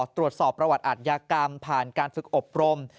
ตรวจสอบประวัติอาทยากรรมผ่านการฝึกอบรม